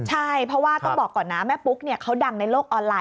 ใช่เพราะว่าต้องบอกก่อนนะแม่ปุ๊กเขาดังในโลกออนไลน